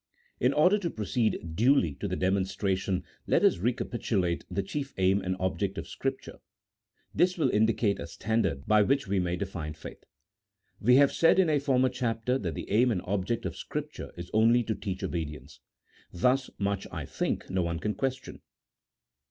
In order to proceed duly to the demonstration let us recapitulate the chief aim and object of Scripture; this will indicate a standard by which we may define faith. We have said in a former chapter that the aim and object of Scripture is only to teach obedience. Thus much, I think, no one can question.